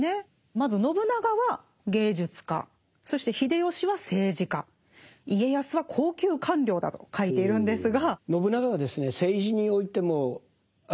まず信長は芸術家そして秀吉は政治家家康は高級官僚だと書いているんですが。